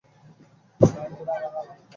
সে কি করেছে দেখেছেন?